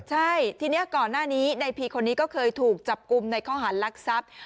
ใช่ทีนี้ก่อนหน้านี้ในพีคนนี้ก็เคยถูกจับกลุ่มในข้อหารลักทรัพย์